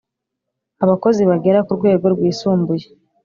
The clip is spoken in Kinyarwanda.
abakozi bagera ku rwego rwisumbuye